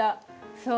そう。